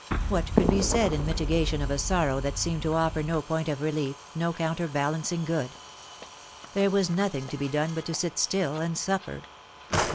What could be said in mitigation of a sorrow that seemed to offer no point of relief, no counter balancing good. There was nothing to be done but to sit still and suffer.